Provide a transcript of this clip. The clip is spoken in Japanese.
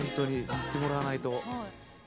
言ってもらわないと」